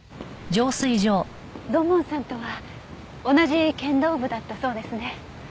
土門さんとは同じ剣道部だったそうですね。